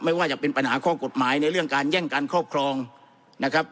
ไม่ว่าจะเป็นปัญหาข้อกฎหมายในเรื่องการแย่งการครอบครองนะครับ